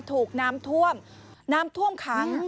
ถูกน้ำท่วมน้ำท่วมขัง